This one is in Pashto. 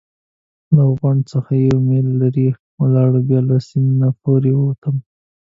له غونډ څخه یو میل لرې ولاړو، بیا له سیند نه پورې ووتو.